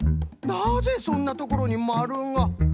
なぜそんなところにまるが。